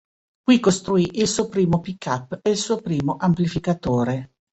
Qui costruì il suo primo pick-up e il suo primo amplificatore.